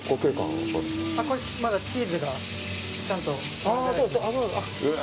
まだチーズがちゃんと。